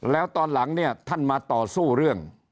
แล้วตอนหลังเนี่ยท่านมาต่อสู้เรื่อง